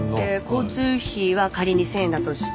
交通費は仮に１０００円だとして。